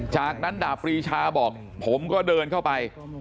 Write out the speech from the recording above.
จากนั้นดาบปรีชาบอกผมก็เดินเข้าไป